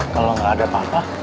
kalo gak ada papa